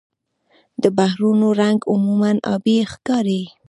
د بحرونو رنګ عموماً آبي ښکاري.